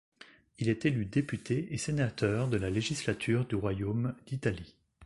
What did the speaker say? Il est élu député et sénateur de la législature du Royaume d'Italie.